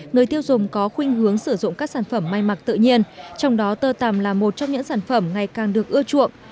người tiêu dùng có khuyên hướng sử dụng các sản phẩm may mặc tự nhiên trong đó tơ tằm là một trong những sản phẩm ngày càng được ưa chuộng